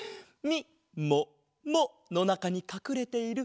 みもものなかにかくれてる？